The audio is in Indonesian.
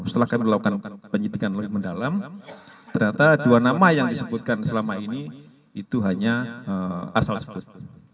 setelah kami melakukan penyidikan lebih mendalam ternyata dua nama yang disebutkan selama ini itu hanya asal sebut